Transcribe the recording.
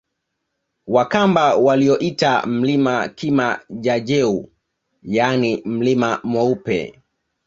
Wakamba walioita mlima Kima jaJeu yaani mlima mweupe